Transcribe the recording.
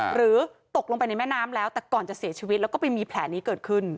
หรือตกลงไปในแม่น้ำแล้วแต่ก่อนจะเสียชีวิตแล้วก็ไปมีแผลนี้เกิดขึ้น